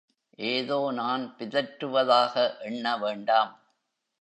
ஏதோ நான் பிதற்றுவதாக எண்ணவேண்டாம்.